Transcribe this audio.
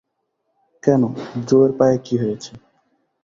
কেনো জো এর পায়ে কি হয়েছে?